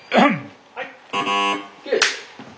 はい。